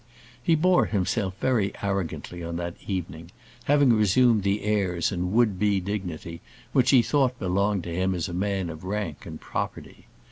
He bore himself very arrogantly on that evening, having resumed the airs and would be dignity which he thought belonged to him as a man of rank and property.